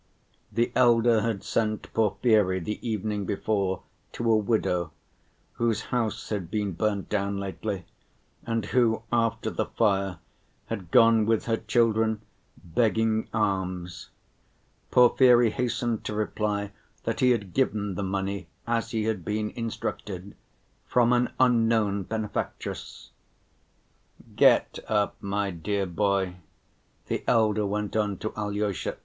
The elder had sent Porfiry the evening before to a widow, whose house had been burnt down lately, and who after the fire had gone with her children begging alms. Porfiry hastened to reply that he had given the money, as he had been instructed, "from an unknown benefactress." "Get up, my dear boy," the elder went on to Alyosha.